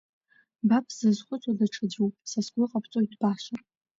Ба бзызхәыцуа даҽаӡәуп, са сгәы ҟабҵоит баша…